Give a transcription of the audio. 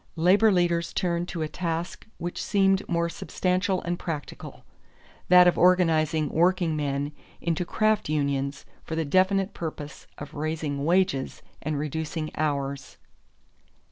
Labor leaders turned to a task which seemed more substantial and practical, that of organizing workingmen into craft unions for the definite purpose of raising wages and reducing hours.